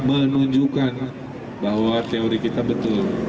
menunjukkan bahwa teori kita betul